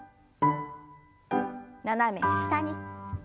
斜め下に。